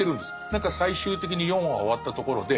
何か最終的に４話終わったところで